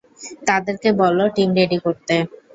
তাদেরকে বলো team ready করতে।